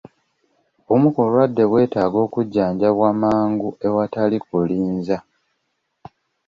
Obumu ku bulwadde bwetaaga kujjanjabwa mangu awatali kulinza.